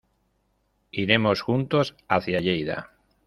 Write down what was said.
Iremos juntos hacia Lleida.